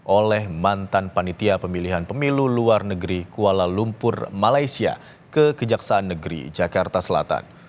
oleh mantan panitia pemilihan pemilu luar negeri kuala lumpur malaysia ke kejaksaan negeri jakarta selatan